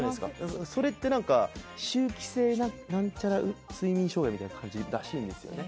それって何か周期性何ちゃら睡眠障害みたいな感じらしいんですよね